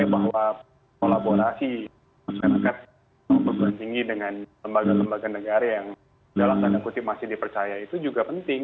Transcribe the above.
bahwa kolaborasi masyarakat tinggi dengan lembaga lembaga negara yang dalam tanda kutip masih dipercaya itu juga penting